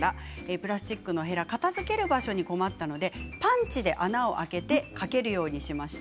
プラスチックのへら片づける場所に困ったのでパンチで穴を開けて掛けるようにしました。